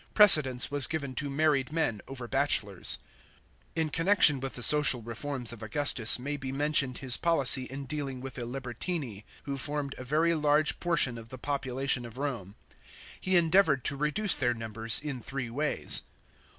Precedence was given to married men over bachelors. In connection with the social reforms of Augustus may be mentioned his policy in dealing with the libertini, who formed a very large portion of the population of Rome. He endeavoured to reduce their number in three ways.